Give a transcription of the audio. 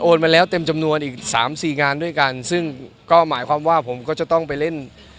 มาแล้วเต็มจำนวนอีกสามสี่งานด้วยกันซึ่งก็หมายความว่าผมก็จะต้องไปเล่น